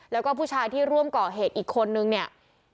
แล้วก็ผู้ชายที่ร่วมก่อเหตุอีกคนนึงเนี่ย